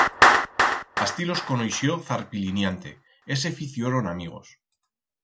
Astí los conoixió Zarpiliniante e se ficioron amigos.